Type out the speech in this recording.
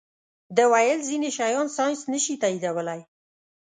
ده ویل ځینې شیان ساینس نه شي تائیدولی.